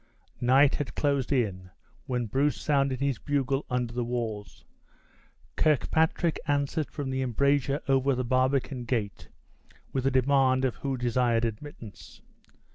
Night had closed in when Bruce sounded his bugle under the walls. Kirkpatrick answered from the embrasure over the barbican gate with a demand of who desired admittance.